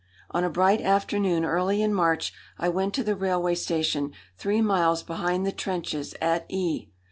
On a bright afternoon early in March I went to the railway station three miles behind the trenches at E